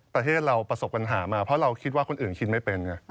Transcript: ประเทศเราประสบปัญหามาเพราะเราคิดว่าคนอื่นชินไม่เป็น